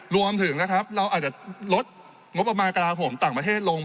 รวมถึงนะครับเราอาจจะลดงบประมาณกระลาโหมต่างประเทศลง